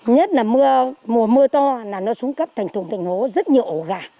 nhất là mùa mưa to là nó xuống cấp thành thùng thành phố rất nhiều ổ gà